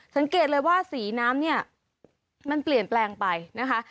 สังเกตเลยว่าสีน้ำเนี่ยมันเปลี่ยนแปลงไปนะคะ